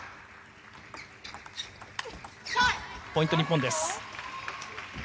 ポイント、日本です。